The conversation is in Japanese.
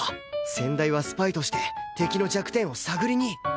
先代はスパイとして敵の弱点を探りに